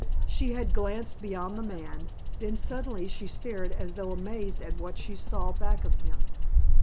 She had glanced beyond the man, then suddenly she stared as though amazed at what she saw back of him.